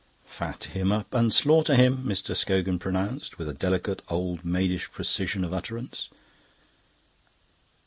"Fat him up and slaughter him," Mr. Scogan pronounced, with a delicate old maidish precision of utterance.